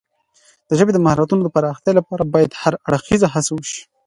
د ژبې د مهارتونو د پراختیا لپاره باید هر اړخیزه هڅې وشي.